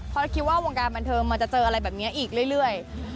เพราะคิดว่าวงการบันเทิงมันจะเจออะไรแบบนี้อีกเรื่อย